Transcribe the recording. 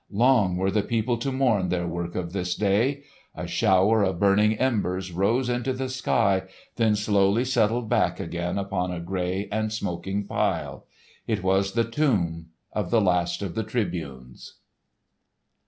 Long were the people to mourn their work of this day! A shower of burning embers rose into the sky, then slowly settled back again upon a grey and smoking pile. It was the tomb of the Last of the Tribunes.